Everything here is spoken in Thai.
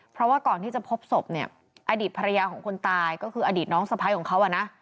เพราะว่าก่อนที่จะพบศพเนี่ยอดีตภรรยาของคนตายก็คืออดีตน้องสะพ้ายของเขาอ่ะนะ